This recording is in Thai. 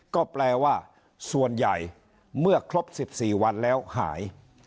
ก็แปลว่าส่วนใหญ่เมื่อครบ๑๔วันแล้วหาย